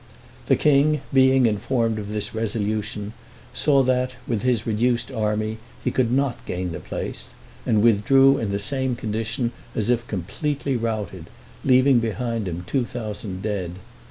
The king being informed of this resolution, saw that, with his reduced army, he could not gain the place, and withdrew in the same condition as if completely routed, leaving behind him two thousand dead.